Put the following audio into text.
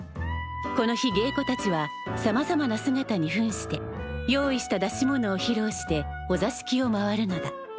この日芸妓たちはさまざまな姿にふんして用意した出し物をひろうしてお座敷を回るのだ。